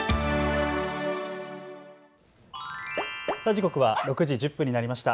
時刻は６時１０分になりました。